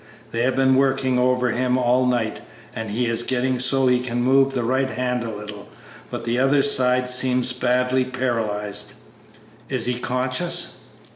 They have been working over him all night, and he is getting so he can move the right hand a little, but the other side seems badly paralyzed." "Is he conscious?"